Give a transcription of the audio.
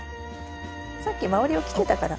さっき周りを切ってたから。